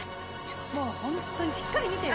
もうホントにしっかり見てよ。